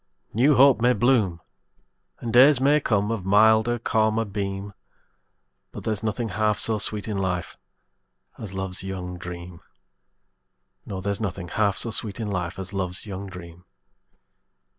New hope may bloom, And days may come, Of milder, calmer beam, But there's nothing half so sweet in life As love's young dream; No, there's nothing half so sweet in life As love's young dream.